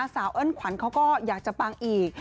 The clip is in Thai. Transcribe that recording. เอิ้นขวัญเขาก็อยากจะปังอีก